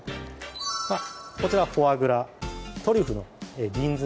こちらはフォアグラトリュフの瓶詰